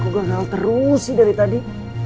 gue gagal terus sih dari tadi